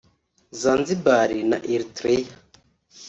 Zanzibar na Eritrea